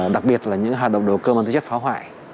đặc biệt là những hoạt động đồ cơ bằng tư chất phá hoại